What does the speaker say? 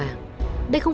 đây không phải là hiến tạng